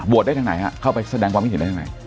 โวทย์ได้ทางไหนเข้าไปแสดงความผิดได้ทางไหน